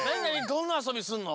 どんなあそびするの？